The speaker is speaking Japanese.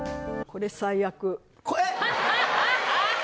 これ最悪？